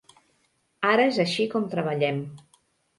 Ara és així com treballem.